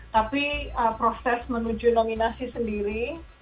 tapi proses menuju nominasi sendiri